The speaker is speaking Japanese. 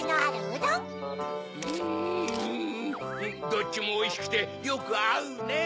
どっちもおいしくてよくあうねぇ。